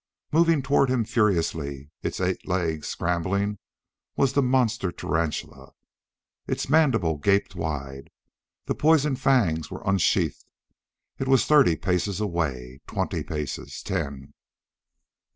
Moving toward him furiously, its eight legs scrambling, was the monster tarantula. Its mandibles gaped wide; the poison fangs were unsheathed. It was thirty paces away twenty paces ten.